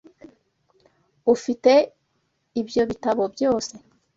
Ufite ibyo bitabo byose!